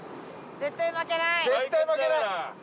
絶対負けない。